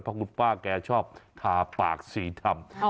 เพราะคุณป้าแกชอบทาปากสีดำ